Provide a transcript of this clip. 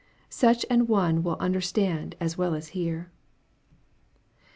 Such an one will understand as well as hear.